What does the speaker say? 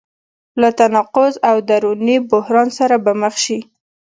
له تناقض او دروني بحران سره به مخ شي.